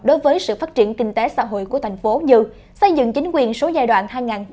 đối với sự phát triển kinh tế xã hội của thành phố như xây dựng chính quyền số giai đoạn hai nghìn một mươi một hai nghìn hai mươi